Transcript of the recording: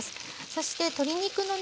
そして鶏肉のね